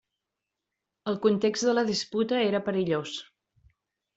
El context de la disputa era perillós.